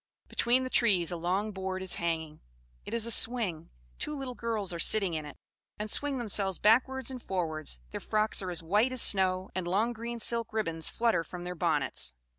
"Between the trees a long board is hanging it is a swing. Two little girls are sitting in it, and swing themselves backwards and forwards; their frocks are as white as snow, and long green silk ribands flutter from their bonnets.